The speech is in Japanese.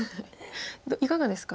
いかがですか？